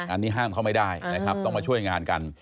อันนี้ห้ามเขาไม่ได้นะครับต้องมาช่วยงานกัน